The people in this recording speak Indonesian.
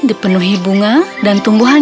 dipenuhi bunga dan tumbuhan